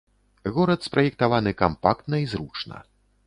Горад спраектаваны кампактна і зручна.